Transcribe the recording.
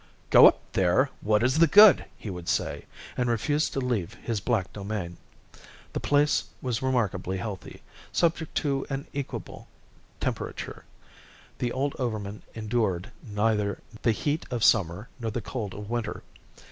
"Go up there! What is the good?" he would say, and refused to leave his black domain. The place was remarkably healthy, subject to an equable temperature; the old overman endured neither the heat of summer nor the cold of winter.